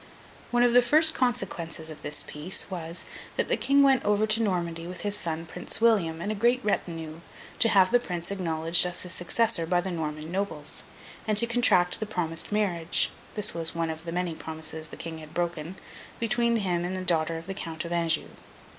One of the first consequences of this peace was, that the King went over to Normandy with his son Prince William and a great retinue, to have the Prince acknowledged as his successor by the Norman Nobles, and to contract the promised marriage (this was one of the many promises the King had broken) between him and the daughter of the Count of Anjou.